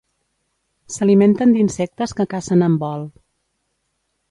S'alimenten d'insectes que cacen en vol.